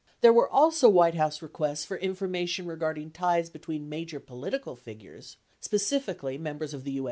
There were also White House requests for information regarding ties between major political figures (specifically Members of the U.